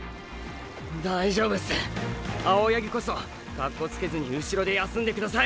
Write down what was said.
大丈夫す青八木こそカッコつけずにうしろで休んでください！！